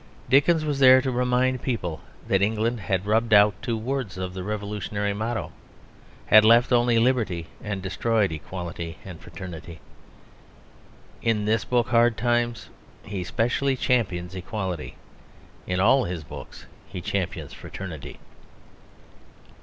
Dickens was there to remind people that England had rubbed out two words of the revolutionary motto, had left only Liberty and destroyed Equality and Fraternity. In this book, Hard Times, he specially champions equality. In all his books he champions fraternity.